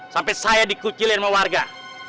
sampai saya dikucilin sama warga